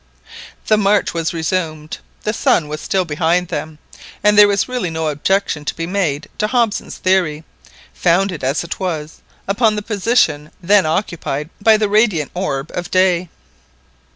The march was resumed, the sun was still behind them, and there was really no objection to be made to Hobson's theory, founded, as it was, upon the position then occupied by the radiant orb of day.